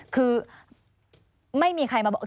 คือไม่มีใครมาบอก